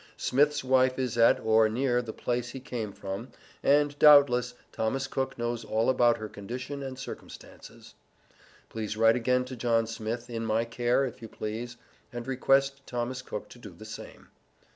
Smith's wife is at, or near the place he came from, and, doubtless, Thomas Cook knows all about her condition and circumstances. Please write again to John Smith, in my care, if you please, and request Thomas Cook to do the same.